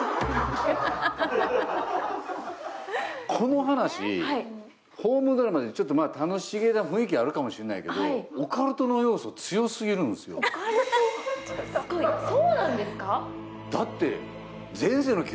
この話、ホームドラマでちょっと楽しげな雰囲気あるかもしれないけど、オカルトの要素、強すぎるんですよ月２１日スタート。